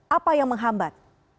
apa yang menghambat